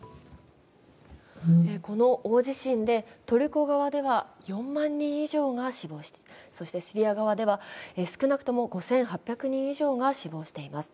この大地震でトルコ側では４万人以上が死亡し、そしてシリア側では少なくとも５８００人以上が死亡しています。